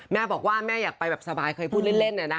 แม่บอกว่าแม่อยากไปแบบสบายเคยพูดเล่นเนี่ยนะคะ